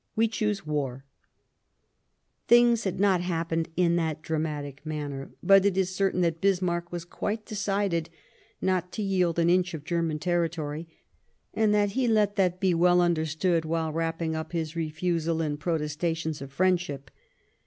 " We choose war," Things had not happened in that dramatic manner ; but it is certain that Bismarck was quite decided not to yield an inch of German territory, and that he let that be well understood while wrap ping up his refusal in protestations of friendship.